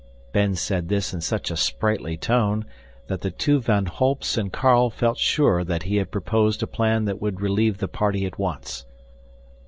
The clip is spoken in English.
Ben said this in such a sprightly tone that the two Van Holps and Carl felt sure that he had proposed a plan that would relieve the party at once.